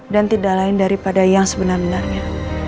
dan tidak lain daripada yang sebenar benarnya